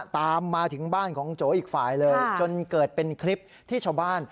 ตามมาถึงบ้านของโจอีกฝ่ายเลยจนเกิดเป็นคลิปที่ชาวบ้าน